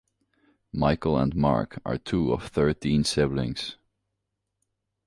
Michael and Mark are two of thirteen siblings.